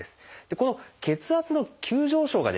この血圧の急上昇がですね